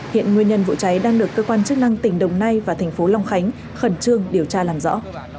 hiện nguyên nhân vụ cháy đang được cơ quan chức năng tỉnh đồng nai và thành phố long khánh khẩn trương điều tra làm rõ